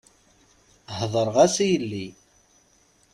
Heḍṛeɣ-as i yelli.